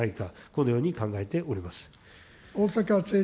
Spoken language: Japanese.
このように考えております。